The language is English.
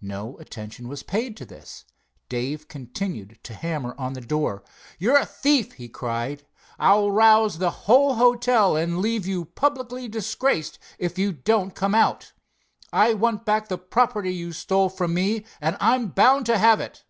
No attention was paid to this. Dave continued to hammer on the door. "You're a thief!" he cried. "I'll rouse the whole hotel and leave you publicly disgraced if you don't come out. I want back the property you stole from me, and I'm bound to have it."